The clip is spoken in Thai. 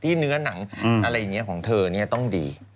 ที่เนื้อหนังอะไรอย่างเงี้ยของเธอเนี่ยต้องดี